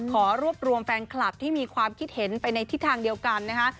ขอรวบรวมแฟนคลับที่มีความคิดเห็นไปในทิศทางเดียวกันนะคะ